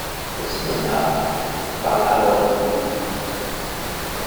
Au cinéma, on parle alors de biopic.